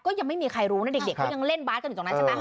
ก็ยังไม่มีใครรู้นะเด็กก็ยังเล่นบ้านกันอยู่ตรงนั้น